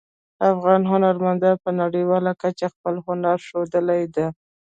افغان هنرمندانو په نړیواله کچه خپل هنر ښودلی ده